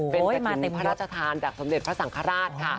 เป็นกะถิรพระราชทานอย่างสมเดินพระสังฆราช